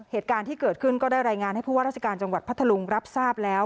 เหตุการณ์ที่เกิดขึ้นก็ได้รายงานให้ผู้ว่าราชการจังหวัดพัทธลุงรับทราบแล้ว